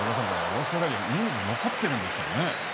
オーストラリア人数残っているんですけどね。